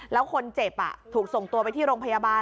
แล้วคนเจ็บถูกส่งตัวไปที่โรงพยาบาล